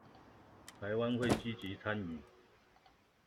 臺灣會積極參與